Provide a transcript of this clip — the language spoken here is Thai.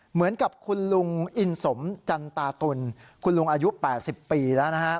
เหมือนกับคุณลุงอินสมจันตาตุลคุณลุงอายุ๘๐ปีแล้วนะฮะ